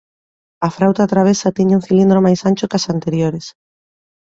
A frauta travesa tiña un cilindro máis ancho que as anteriores.